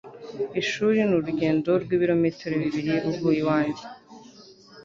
Ishuri ni urugendo rw'ibirometero bibiri uvuye iwanjye.